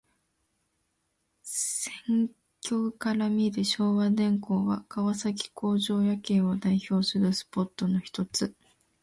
扇橋から見る昭和電工は、川崎工場夜景を代表するスポットのひとつ。